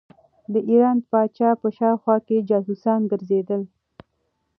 د ایران د پاچا په شاوخوا کې جاسوسان ګرځېدل.